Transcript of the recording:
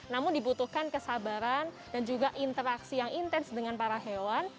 namun dibutuhkan kesabaran dan juga interaksi yang intens dengan para hewan